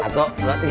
satu dua tiga